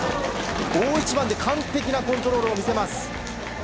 大一番で完璧なコントロールを見せます。